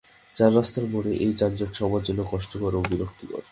চার রাস্তার মোড়ে এই যানজট সবার জন্য কষ্টকর ও বিরক্তিকর।